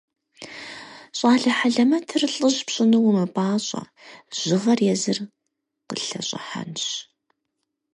Щӏалэ хьэлэмэтыр лӏыжь пщӏыну умыпӏащӏэ, жьыгъэр езыр къылъэщӏыхьэнщ.